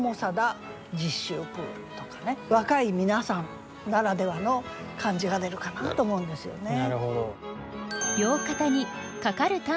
若い皆さんならではの感じが出るかなと思うんですよね。